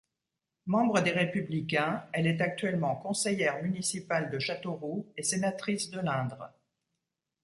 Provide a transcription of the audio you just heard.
Membre des Républicains, elle est actuellement conseillère municipale de Châteauroux et sénatrice de l'Indre.